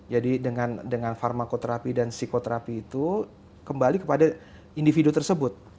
jadi dengan farmakoterapi dan psikoterapi itu kembali kepada individu tersebut